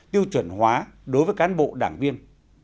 tiêu chuẩn hóa đối với cán bộ đảng viên